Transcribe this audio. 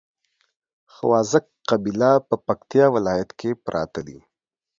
خواځک قبيله په پکتیا ولايت کې پراته دي